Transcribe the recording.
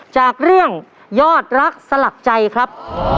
จากเรื่องยอดรักสลักใจครับ